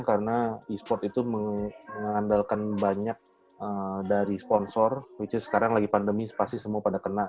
karena e sport itu mengandalkan banyak dari sponsor sekarang pandemi pasti semua pada kena